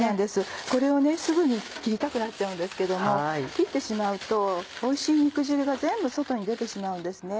これをすぐに切りたくなっちゃうんですけども切ってしまうとおいしい肉汁が全部外に出てしまうんですね。